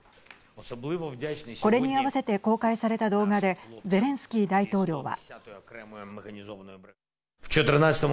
これに合わせて公開された動画でゼレンスキー大統領は。